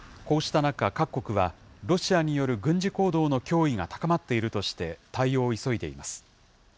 こうした中、各国は、ロシアによる軍事行動の脅威が高まっているとして、対応を急いでいます。